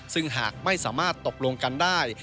ซึ่งหากไม่สามารถตกลงกันได้